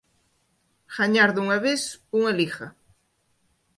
Gañar dunha vez unha Liga.